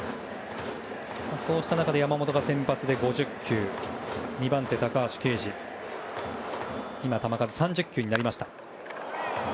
そうした中で山本が先発で５０球２番手の高橋奎二は今、球数３０球になりました。